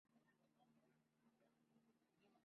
Durante este período, a menudo se olvidaba de comer y beber.